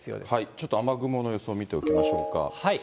ちょっと雨雲の予想を見ておきましょうか。